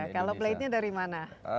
kalau plate nya dari mana